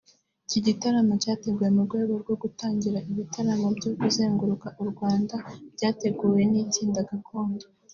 Iki gitaramo cyateguwe mu rwego rwo gutangira ibitaramo byo kuzenguruka u Rwanda byateguwe n’itsinda Gakondo